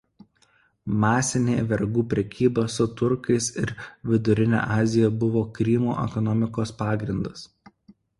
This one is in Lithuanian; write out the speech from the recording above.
Masinė vergų prekyba su turkais ir Vidurine Azija buvo Krymo ekonomikos pagrindas.